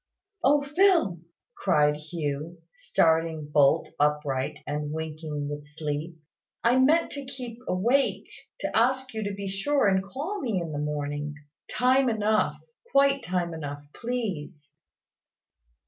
"O Phil!" cried Hugh, starting bolt upright and winking with sleep, "I meant to keep awake, to ask you to be sure and call me in the morning, time enough, quite time enough, please."